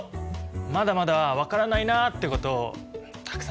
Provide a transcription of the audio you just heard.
まだまだ分からないなってことたくさんあるけどね。